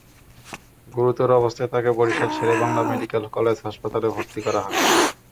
গুরুতর অবস্থায় তাঁকে বরিশাল শের-ই-বাংলা মেডিকেল কলেজ হাসপাতালে ভর্তি করা হয়।